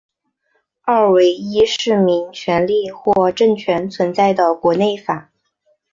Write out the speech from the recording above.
二为依市民权利或政权存在的国内法。